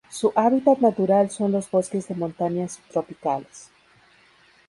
Su hábitat natural son los bosques de montaña subtropicales.